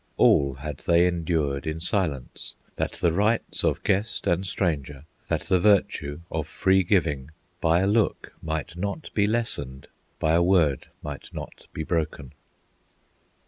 All had they endured in silence, That the rights of guest and stranger, That the virtue of free giving, By a look might not be lessened, By a word might not be broken.